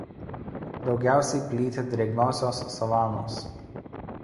Daugiausia plyti drėgnosios savanos.